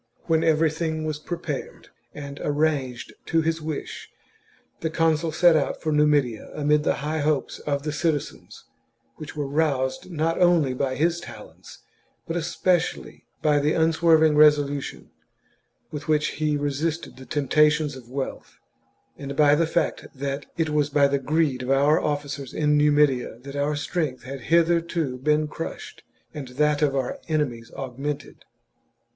When everything was prepared and arranged to his wish, the consul set out for Numidia amid the high hopes of the citizens, ' XLIV. 170 THE JUGURTHINE WAR. CHAP, which were roused not only by his talents but espe cially by the unswerving resolution with which he resisted the temptations of wealth, and by the fact that it was by the greed of our officers in Numidia that our strength had hitherto been crushed and that of our enemies augmented.